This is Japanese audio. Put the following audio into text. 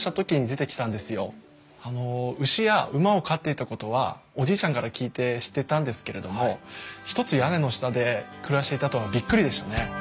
あの牛や馬を飼っていたことはおじいちゃんから聞いて知ってたんですけれどもひとつ屋根の下で暮らしていたとはびっくりでしたね。